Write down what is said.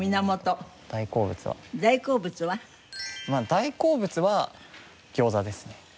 大好物は餃子ですね。